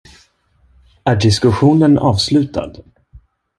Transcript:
Är diskussionen avslutad?